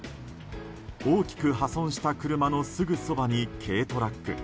大きく破損した車のすぐそばに軽トラック。